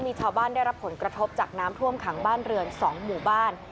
มีชาวบ้านได้รับผลกระทบจากน้ำท่วมขังบ้านเรือน๒หมู่บ้าน